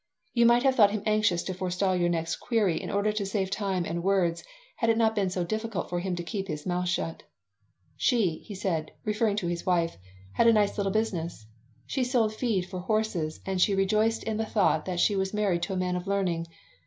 You might have thought him anxious to forestall your next query in order to save time and words, had it not been so difficult for him to keep his mouth shut "She," he said, referring to his wife, "had a nice little business. She sold feed for horses and she rejoiced in the thought that she was married to a man of learning.